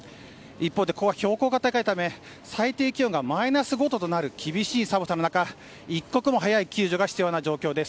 一方で、ここは標高が高いため最低気温がマイナス５度となる厳しい寒さの中一刻も早い救助が必要な状況です。